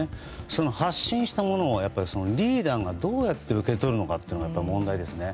その発信したものをリーダーがどうやって受け取るのかが問題ですね。